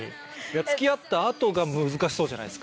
付き合った後が難しそうじゃないですか。